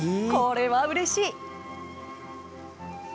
これはうれしい。